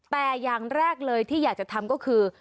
แต่อย่างแรกเลยที่อยากจะทำก็คือ